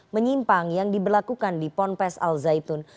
menyimpang yang diberlakukan di ponpes al zaitun